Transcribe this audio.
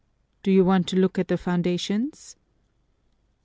Do you want to look at the foundations?"